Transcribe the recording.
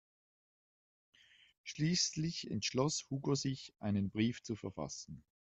Schließlich entschloss Hugo sich, einen Brief zu verfassen.